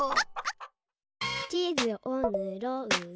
「ちずをぬろーぜ」